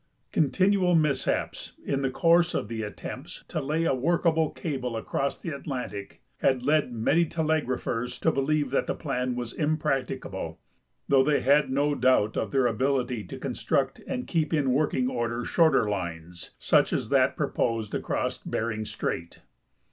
Continual mishaps in the course of the attempts to la}" a work able cable across the Atlantic had led many telegraphers to lielieve that the plan was im])racticable, though they had no doubt of their ability to construct and keep in working order shorter lines, such as that proposed across Bering strait.